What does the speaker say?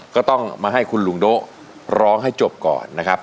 ก็ต้องมาให้คุณลุงโด๊ะร้องให้จบก่อนนะครับ